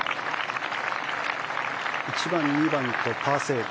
１番、２番とパーセーブ。